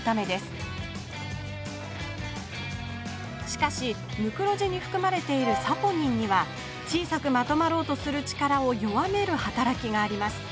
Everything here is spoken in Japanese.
しかしムクロジにふくまれているサポニンには小さくまとまろうとする力を弱める働きがあります。